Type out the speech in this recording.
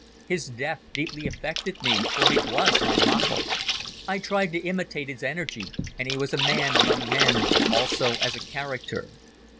His death deeply affected me for he was my model. I tried to imitate his energy and he was a man among men also as a character.